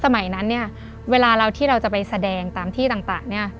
สมัยนั้นเนี่ยเวลาเราที่เราจะไปแสดงตามที่ต่างเนี่ย